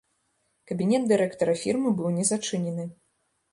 Кабінет дырэктара фірмы быў не зачынены.